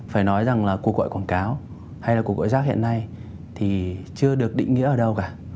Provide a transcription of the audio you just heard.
phải nói rằng là cuộc gọi quảng cáo hay là cuộc gọi rác hiện nay thì chưa được định nghĩa ở đâu cả